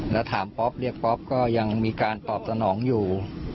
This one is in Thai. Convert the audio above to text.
และถามพบเรียกพบก็ยังมีการตอบสนองอยู่